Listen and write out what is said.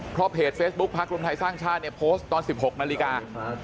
เพราะเพจเฟซบุ๊คพักรวมไทยสร้างชาติเนี่ยโพสต์ตอน๑๖นาฬิกา